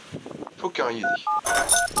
Fukeɣ yid-k.